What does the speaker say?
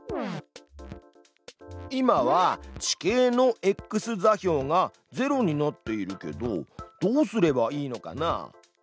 今は地形のｘ座標が０になっているけどどうすればいいのかな？